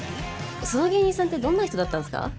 その芸人さんってどんな人だったんですか？